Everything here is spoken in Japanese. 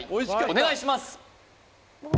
お願いします